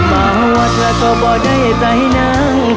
บอกแมทมาว่าเธอก็บ่ได้ใส่นาง